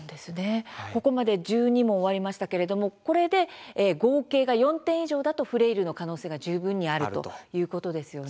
ここまで１２問終わりましたけれどもこれで合計が４点以上だとフレイルの可能性が十分にあるということですよね。